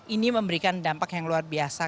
ini memberikan dampak yang luar biasa